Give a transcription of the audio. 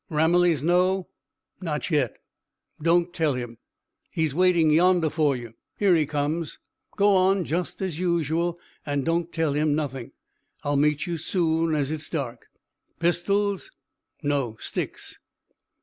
Ramillies know?" "Not yet." "Don't tell him. He's waiting yonder for you. Here he comes. Go on just as usual, and don't tell him nothing. I'll meet you soon as it's dark." "Pistols?" "No. Sticks."